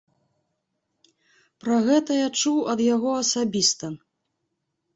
Пра гэта я чуў ад яго асабіста.